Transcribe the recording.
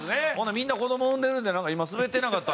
「“みんな子供産んでる？”ってなんか今スベってなかった？」